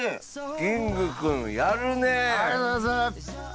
キングくんやるね！ありがとうございます！